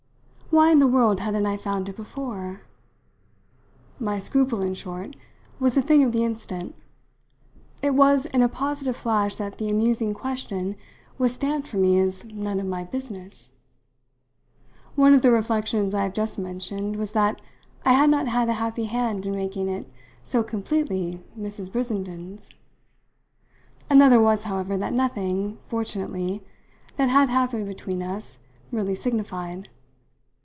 Why in the world hadn't I found it before? My scruple, in short, was a thing of the instant; it was in a positive flash that the amusing question was stamped for me as none of my business. One of the reflections I have just mentioned was that I had not had a happy hand in making it so completely Mrs. Brissenden's. Another was, however, that nothing, fortunately, that had happened between us really signified.